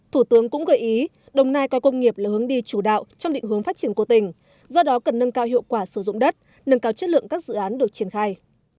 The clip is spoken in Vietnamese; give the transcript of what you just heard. thủ tướng cũng gợi ý đồng nai coi công nghiệp là hướng đi chủ đạo trong định hướng phát triển của tỉnh do đó cần nâng cao hiệu quả sử dụng đất nâng cao chất lượng các dự án được triển khai